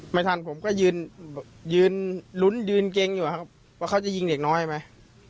ไม่ทันผมก็ยืนลุ้นยืนเกรงอยู่ครับว่าเขาจะยิงเด็กน้อยไหม